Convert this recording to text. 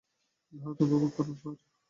ভারত উপভোগ করুন, স্যার!